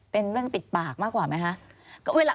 เป็นเรื่องติดปากมากกว่าไหมคะ